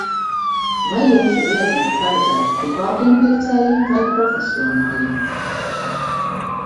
Vai jūsu vietne ir paredzēta privātiem pircējiem vai profesionāļiem?